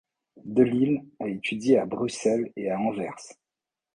De Lille a étudié à Bruxelles et à Anvers.